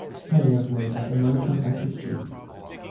Many have Native American ancestry.